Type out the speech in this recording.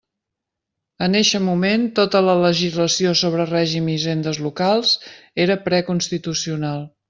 En eixe moment tota la legislació sobre règim i hisendes locals era preconstitucional.